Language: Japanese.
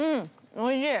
おいしい。